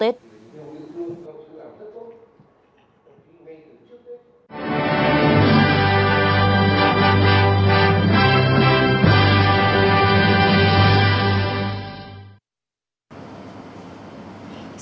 hồ chí minh